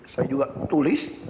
saya juga tulis